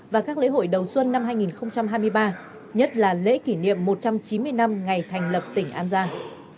và các lễ hội đầu xuân năm hai nghìn hai mươi ba nhất là lễ kỷ niệm một trăm chín mươi năm ngày thành lập tỉnh an giang